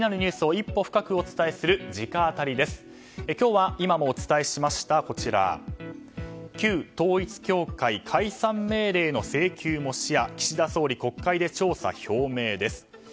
今日は今もお伝えした旧統一教会解散命令の請求も視野岸田総理、国会で調査表明です。